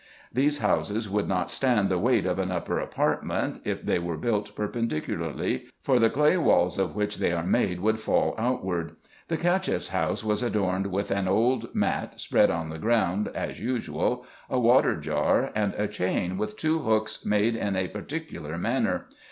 These houses would not stand n 2 92 RESEARCHES AND OPERATIONS the weight of an upper apartment, if they were built perpendicularly ; for the clay walls, of which they are made, would fall outward. The CachefFs house was adorned with an old mat spread on the ground as usual, a water jar, and a chain with two hooks made in a par ticular manner.